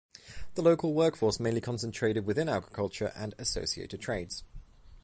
The local workforce mainly concentrated within agriculture and associated trades.